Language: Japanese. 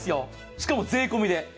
しかも税込みで。